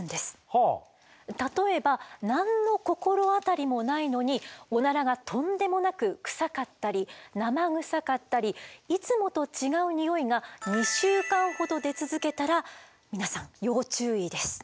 例えば何の心当たりもないのにオナラがとんでもなくクサかったり生臭かったりいつもと違うにおいが２週間ほど出続けたら皆さん要注意です。